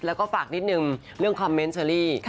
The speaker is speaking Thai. แล้วก็ฝากนิดนึงเรื่องคอมเมนต์เชอรี่